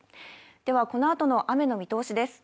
ではこのあとの雨の見通しです。